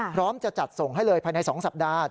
พร้อมจะจัดส่งให้เลยภายใน๒สัปดาห์